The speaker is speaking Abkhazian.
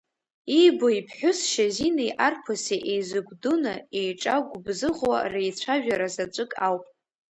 Иибо иԥҳәыс Шьазинеи арԥыси еизыгәдуны еиҿагәыбзыӷуа реицәажәара заҵәык ауп.